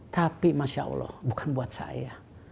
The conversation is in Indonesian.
tapi masya allah bukan buat saya